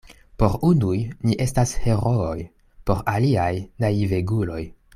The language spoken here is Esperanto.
Por unuj, ni estos herooj; por aliaj, naiveguloj.